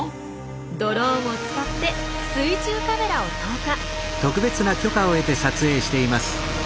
ドローンを使って水中カメラを投下。